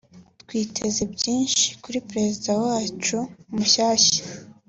“Twiteze vyinshi kuri perezida wacu mushasha